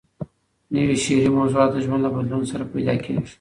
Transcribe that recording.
نوي شعري موضوعات د ژوند له بدلون سره پیدا کېږي.